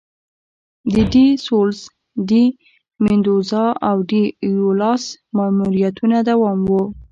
د ډي سولیز، ډي میندوزا او ډي ایولاس ماموریتونه دوام و.